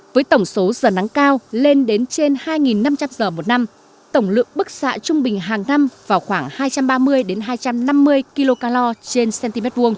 với tổng số giờ nắng cao lên đến trên hai năm trăm linh giờ một năm tổng lượng bức xạ trung bình hàng năm vào khoảng hai trăm ba mươi hai trăm năm mươi kg trên cm hai